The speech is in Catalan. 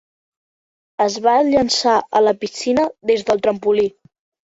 Es va llançar a la piscina des del trampolí.